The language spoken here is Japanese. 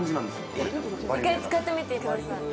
１回使ってみてください